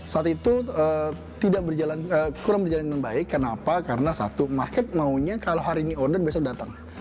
saat itu kurang berjalan dengan baik kenapa karena satu market maunya kalau hari ini order besok datang